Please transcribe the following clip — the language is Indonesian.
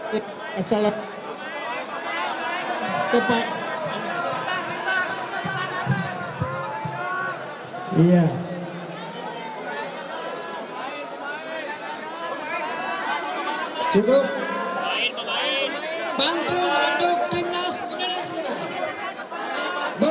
terima kasih kepada suka buntut dan perempuan saja